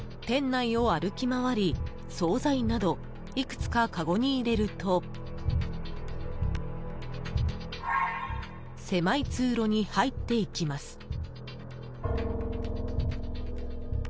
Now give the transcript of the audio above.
店内を歩き回り、総菜などいくつか、かごに入れると狭い通路に入っていきます。